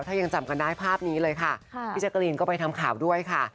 ถ้ายังจำกันได้ภาพนี้เลยค่ะพี่แจ๊กรีนก็ไปทำข่าวด้วยค่ะ